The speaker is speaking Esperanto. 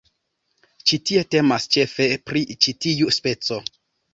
Ĉi tie temas ĉefe pri ĉi tiu speco.